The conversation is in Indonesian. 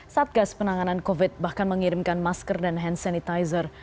satgas penanganan covid bahkan mengirimkan masker dan hand sanitizer